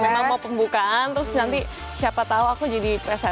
iya memang mau pembukaan terus nanti siapa tau aku jadi presenternya